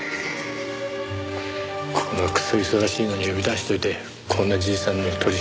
このクソ忙しいのに呼び出しておいてこんなじいさんの取り調べかよ。